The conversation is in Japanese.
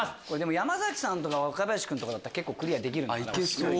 山崎さんとか若林君だったら結構クリアできるんじゃない？